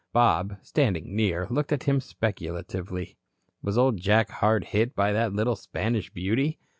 Bob, standing near, looked at him speculatively. Was old Jack hard hit by that little Spanish beauty?